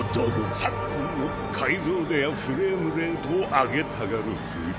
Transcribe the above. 昨今の解像度やフレームレートを上げたがる風潮。